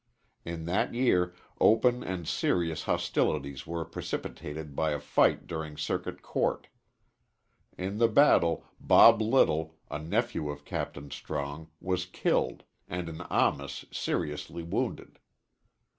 In that year open and serious hostilities were precipitated by a fight during Circuit Court. In the battle Bob Little, a nephew of Captain Strong, was killed, and an Amis seriously wounded.